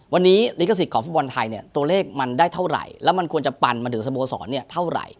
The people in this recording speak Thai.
วันนี้ลิขสิทธิ์ของฟุตบอลไทยเนี่ยตัวเลขมันได้เท่าไหร่แล้วมันควรจะปันมาถึงสโมสรเนี่ยเท่าไหร่